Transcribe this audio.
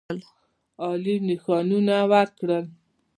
عالي نښانونه ورکړل.